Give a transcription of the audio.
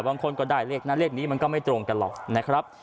บางคนก็ได้เลขนั้นเลขนี้มันก็ไม่ตรงกันหรอกนะครับ